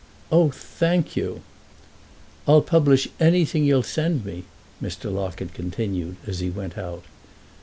"Oh, thank you!" "I'll publish anything you'll send me," Mr. Locket continued, as he went out.